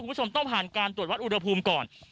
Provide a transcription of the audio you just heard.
คุณผู้ชมต้องผ่านการตรวจวัดอุณหภูมิก่อน